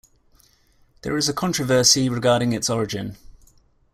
There is a controversy regarding its origin.